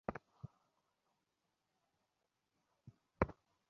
প্রথম পরীক্ষাতেই সে তা পারবে না।